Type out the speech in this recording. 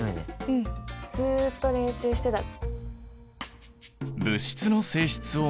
うんずっと練習してた。